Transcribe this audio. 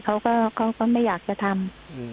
เขาก็ไม่อยากจะทำ